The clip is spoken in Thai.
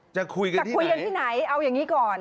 จะคุยกันจะคุยกันที่ไหนเอาอย่างนี้ก่อน